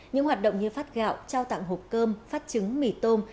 những hoạt động như phát gạo trao tặng hộp cơm phát trứng mì tôm